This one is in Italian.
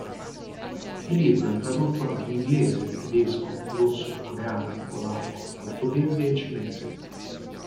Il libro è tradotto anche in inglese, tedesco, russo, coreano, polacco, portoghese e cinese.